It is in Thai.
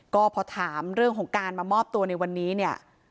ก็พอถามเรื่องของการมามอบตัวในวันนี้เนี่ย